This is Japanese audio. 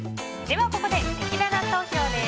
ここで、せきらら投票です。